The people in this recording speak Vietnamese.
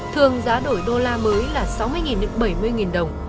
thường giá đổi đô la mới là sáu mươi đến bảy mươi đồng